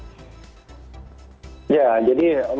ya jadi masyarakat tentunya harapkan tadi ingin berbelanja lebih banyak